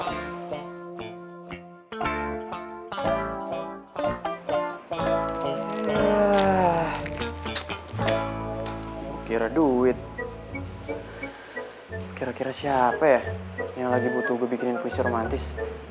kira kira duit kira kira siapa ya yang lagi butuh gue bikinin puisi romantis